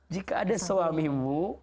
jika ada suamimu